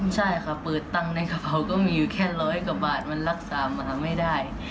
ใช่ค่ะเปิดตังค์ในเขาก็มีอยู่แค่ร้อยกว่าบาทมันรักษาหมาไม่ได้